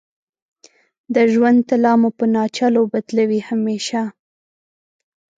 د ژوند طلا مو په ناچلو بدلوې همیشه